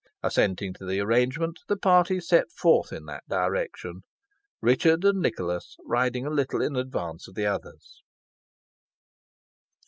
Assenting to the arrangement, the party set forth in that direction, Richard and Nicholas riding a little in advance of the others.